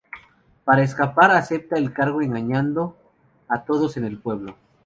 Para escapar acepta el cargo engañando a todos en el pueblo.